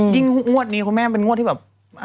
งวดนี้คุณแม่เป็นงวดที่แบบ